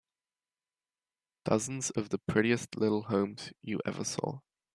Dozens of the prettiest little homes you ever saw.